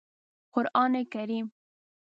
قرآن کریم